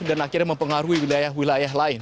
dan akhirnya mempengaruhi wilayah wilayah lain